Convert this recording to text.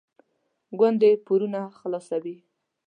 ګوندې پورونه خلاصوي.